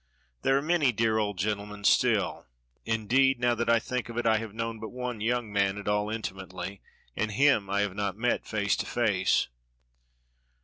There are many dear old gentlemen still; indeed, now that I think of it, I have known but one young man at all intimately, and him I have not met face to face.